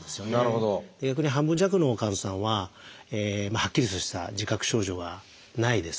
逆に半分弱の患者さんははっきりとした自覚症状がないです。